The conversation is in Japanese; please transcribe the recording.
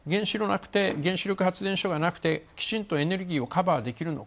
原子力発電所がなくてきちんとエネルギーをカバーできるのか。